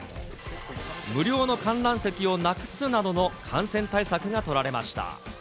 無料の観覧席をなくすなどの感染対策が取られました。